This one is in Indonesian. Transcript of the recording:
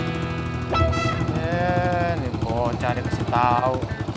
ini bocah dia pasti tau